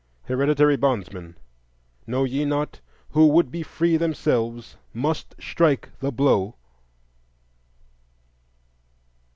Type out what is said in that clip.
Hereditary bondsmen! Know ye not Who would be free themselves must strike the blow?